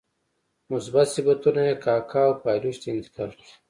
مثبت صفتونه یې کاکه او پایلوچ ته انتقال کړي.